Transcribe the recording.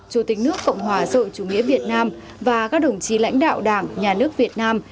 chủ tịch nước cộng hòa rồi chủ nghĩa việt nam và các đồng chí lãnh đạo đảng nhà nước việt nam